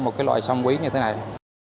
một loại xâm quý như thế này